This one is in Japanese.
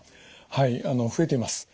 はい増えています。